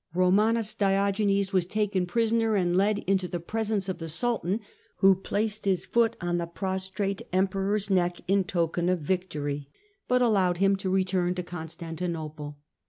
Komaniis Diogenes was taken prisoner and led into the presence of the Sultan, who placed his foot on the prostrate Emperor's neck in token of victory, but allowed him to return to Constantinople.